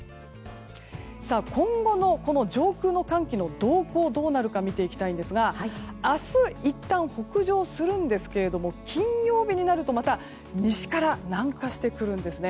今後の上空の寒気の動向どうなるか見ていきたいんですが明日、いったん北上するんですが金曜日になるとまた西から南下してくるんですね。